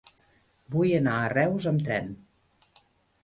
Vull anar a Reus amb tren.